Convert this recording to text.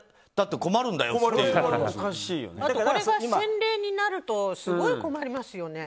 これが先例になるとすごい困りますよね。